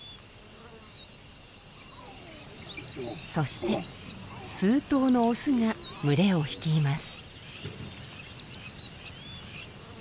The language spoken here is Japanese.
そして数頭のオスが群れを率います。